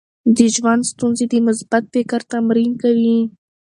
د ژوند ستونزې د مثبت فکر تمرین کوي.